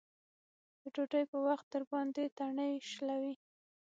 د ډوډۍ په وخت درباندې تڼۍ شلوي.